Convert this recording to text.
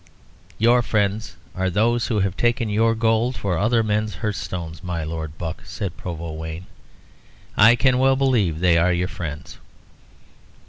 "Your friends are those who have taken your gold for other men's hearthstones, my Lord Buck," said Provost Wayne. "I can well believe they are your friends."